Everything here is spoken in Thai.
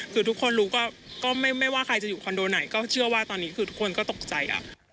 คือทุกคนรู้ก็ไม่ว่าใครจะอยู่คอนโดไหนก็เชื่อว่าตอนนี้คือทุกคนก็ตกใจ